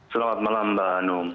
selamat malam mbak anung